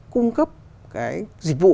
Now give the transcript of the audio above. cung cấp cái dịch vụ